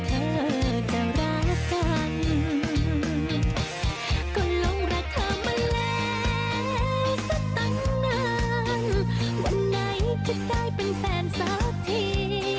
ก็ลงรักเธอมาแล้วสักตั้งนานวันไหนก็จะได้เป็นแฟนสักที